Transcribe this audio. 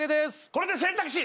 これで選択肢